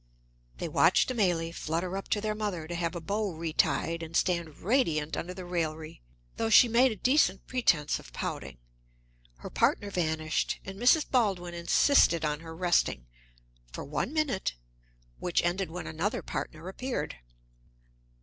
They watched Amélie flutter up to their mother to have a bow retied, and stand radiant under the raillery, though she made a decent pretense of pouting. Her partner vanished, and Mrs. Baldwin insisted on her resting "for one minute," which ended when another partner appeared.